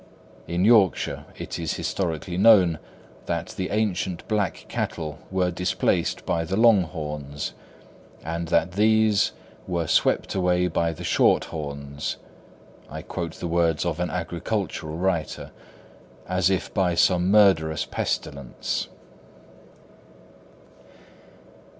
In Yorkshire, it is historically known that the ancient black cattle were displaced by the long horns, and that these "were swept away by the short horns" (I quote the words of an agricultural writer) "as if by some murderous pestilence."